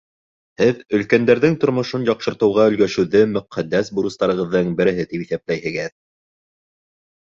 — Һеҙ өлкәндәрҙең тормошон яҡшыртыуға өлгәшеүҙе мөҡәддәс бурыстарығыҙҙың береһе тип иҫәпләйһегеҙ.